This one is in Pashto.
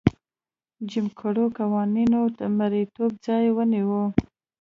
جیم کرو قوانینو د مریتوب ځای ونیو.